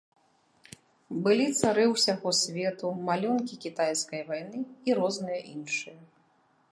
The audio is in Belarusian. Былі цары ўсяго свету, малюнкі кітайскай вайны і розныя іншыя.